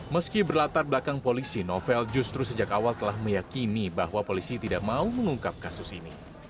meski berlatar belakang polisi novel justru sejak awal telah meyakini bahwa polisi tidak mau mengungkap kasus ini